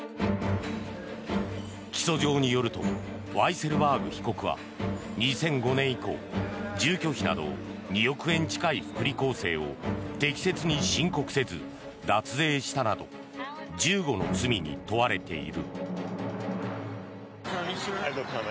起訴状によるとワイセルバーグ被告は２００５年以降、住居費など２億円近い福利厚生を適切に申告せず脱税したなど１５の罪に問われている。